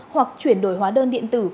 hoặc chuyển đổi hóa đơn điện tử